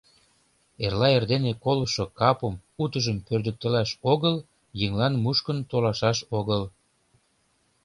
Эрла эрдене колышо капым утыжым пӧрдыктылаш огыл, еҥлан мушкын толашаш огыл.